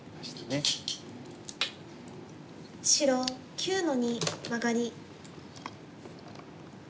白９の二マガリ。